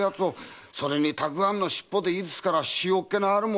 それに沢庵の尻尾でいいですから塩っ気のあるものを。